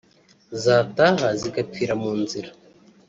zataha zigapfira mu nzira